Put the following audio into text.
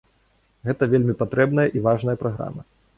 Гэта вельмі патрэбная і важная праграма.